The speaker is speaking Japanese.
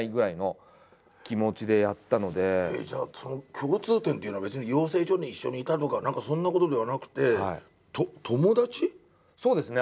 共通点っていうのは別に養成所に一緒にいたとか何かそんなことではなくてそうですね。